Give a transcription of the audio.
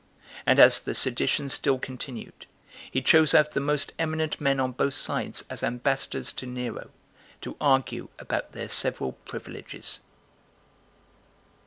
And as the sedition still continued, he chose out the most eminent men on both sides as ambassadors to Nero, to argue about their several privileges.